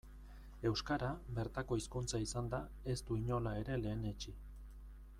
Euskara, bertako hizkuntza izanda, ez du inola ere lehenetsi.